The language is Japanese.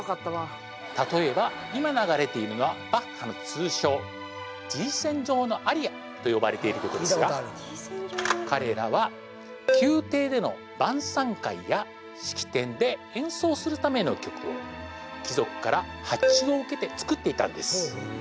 例えば今流れているのはと呼ばれている曲ですが彼らは宮廷での晩餐会や式典で演奏するための曲を貴族から発注を受けて作っていたんです